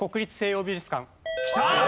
きた！